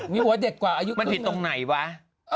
มีหัวเด็กกว่าอายุมันผิดตรงไหนวะ